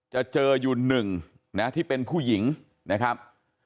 จะเจออยู่หนึ่งนะที่เป็นผู้หญิงนะครับ